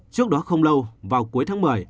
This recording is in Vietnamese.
trước đó không lâu vào cuối tháng một mươi